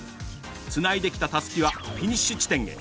つないできたたすきはフィニッシュ地点へ。